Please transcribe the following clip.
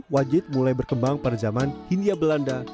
wajit mulai berkembang pada zaman hindia belanda